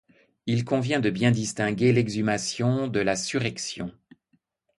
Il convient de bien distinguer l'exhumation de la surrection.